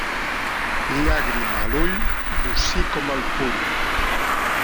Llàgrima a l'ull, bocí com el puny.